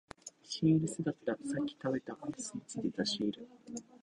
シールだった、さっき食べたアイスについていたシール